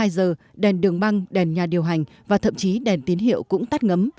hai mươi hai giờ đèn đường băng đèn nhà điều hành và thậm chí đèn tín hiệu cũng tắt ngấm